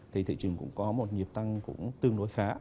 thì thị trường cũng có một nhịp tăng cũng tương đối khá